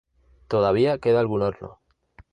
Todavía queda algún horno.